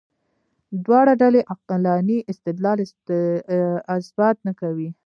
دواړه ډلې عقلاني استدلال اثبات نه کوي.